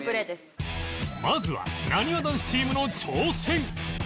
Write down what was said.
まずはなにわ男子チームの挑戦